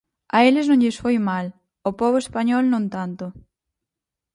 A eles non lles foi mal; ao pobo español, non tanto.